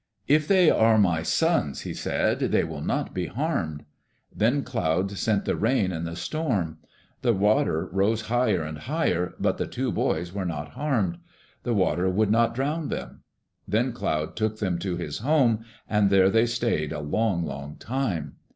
"If I they are my sons," he said, "they will not be harmed." Then Cloud sent the rain and the storm. The water rose higher and higher, but the two boys were not harmed. The water could not drown them. Then Cloud took them to his home and there they stayed a long, long time.